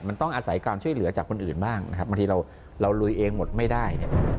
มันต้องอาศัยความช่วยเหลือจากคนอื่นบ้างนะครับบางทีเราลุยเองหมดไม่ได้เนี่ย